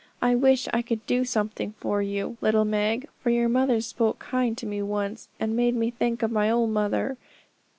I wish I could do something for you, little Meg; for your mother spoke kind to me once, and made me think of my own mother.